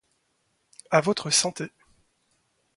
A votre santé.